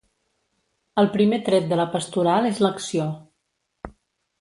El primer tret de la pastoral és l'acció.